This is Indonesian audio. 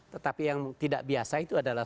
tetapi yang tidak biasa itu adalah